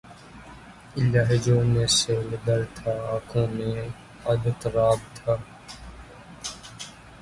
لہجوں میں سیلِ درد تھا‘ آنکھوں میں اضطراب تھے